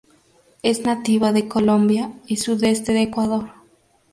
Es nativa de Colombia y sudeste de Ecuador.